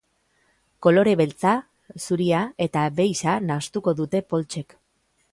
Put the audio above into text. Kolore beltza, zuria eta beixa nahastuko dute poltsek.